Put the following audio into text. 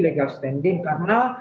legal standing karena